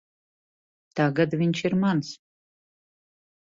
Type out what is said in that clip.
Tagad viņš ir mans.